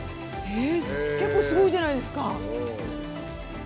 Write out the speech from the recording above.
結構すごいじゃないですか。